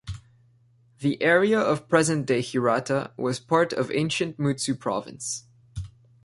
The area of present-day Hirata was part of ancient Mutsu Province.